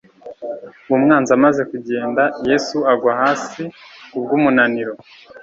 Uwo mwanzi amaze kugenda, Yesu agwa hasi kubw’umunaniro,